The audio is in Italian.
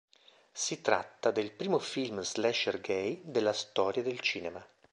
Si tratta del primo film slasher gay della storia del cinema.